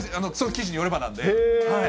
その記事によればなんで。